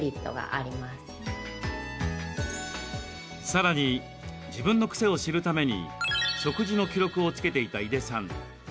さらに、自分の癖を知るために食事の記録をつけていた井出さん。